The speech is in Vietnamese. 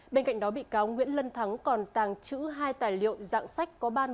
bên cạnh đó bị cáo nguyễn lân thắng còn tàng chữ hai tài liệu dạng sách có ba nội dung tuyên truyền thông tin xuyên